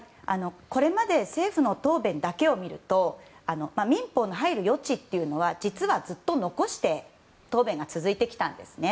これまで政府の答弁だけを見ると民法の入る余地というのは実はずっと残して答弁が続いてきたんですね。